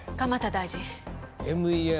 大臣ＭＥＲ